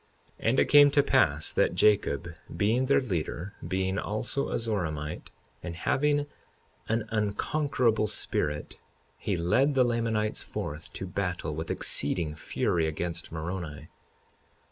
52:33 And it came to pass that Jacob, being their leader, being also a Zoramite, and having an unconquerable spirit, he led the Lamanites forth to battle with exceeding fury against Moroni.